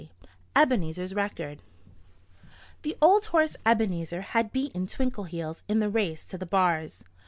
X EBENEZER'S RECORD The old horse Ebenezer had beaten Twinkleheels in the race to the bars.